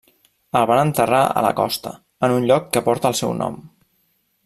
El van enterrar a la costa, en un lloc que porta el seu nom.